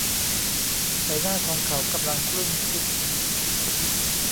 ใบหน้าของเขากำลังครุ่นคิด